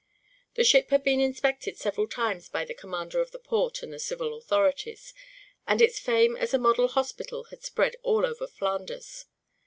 The ship had been inspected several times by the commander of the port and the civil authorities, and its fame as a model hospital had spread over all Flanders.